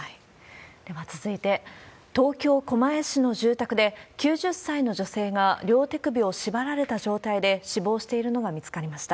では続いて、東京・狛江市の住宅で、９０歳の女性が両手首を縛られた状態で死亡しているのが見つかりました。